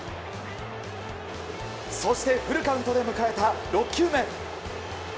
そしてフルカウントで迎えた６球目。